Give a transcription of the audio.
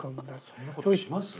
そんな事します？